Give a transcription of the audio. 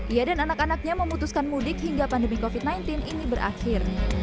ia dan anak anaknya memutuskan mudik hingga pandemi covid sembilan belas ini berakhir